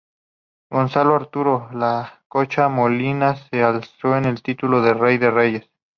Gonzalo Arturo "El Cocha" Molina se alzó con el título de "Rey de Reyes".